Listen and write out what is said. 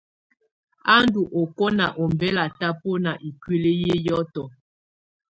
A ndù ɔkɔna ɔmbɛla tabɔna ikuili ƴɛ hiɔtɔ.